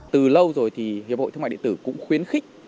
từ lâu rồi thì hiệp hội thương mại điện tử cũng khuyến khích